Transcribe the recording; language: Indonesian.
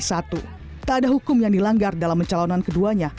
tak ada hukum yang dilanggar dalam mencalonan keduanya